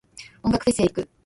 音楽フェス行く。